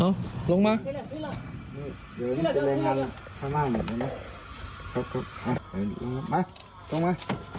หรอลงมา